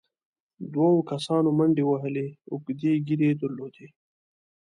دوو کسانو منډې وهلې، اوږدې ږېرې يې درلودې،